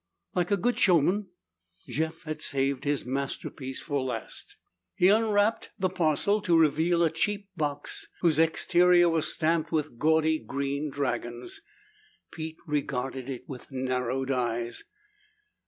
Like a good showman, Jeff had saved his masterpiece for last. He unwrapped the parcel to reveal a cheap box whose exterior was stamped with gaudy green dragons. Pete regarded it with narrowed eyes.